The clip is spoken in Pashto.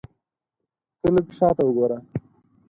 ته لږ شاته وګوره !